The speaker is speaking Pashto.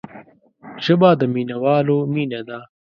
ژبه د مینوالو مینه ده